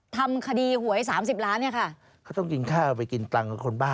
ทำคดีหวย๔๐บาทเนี่ยวค่ะ